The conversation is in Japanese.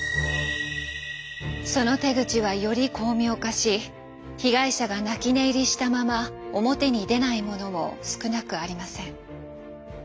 その手口はより巧妙化し被害者が泣き寝入りしたまま表に出ないものも少なくありません。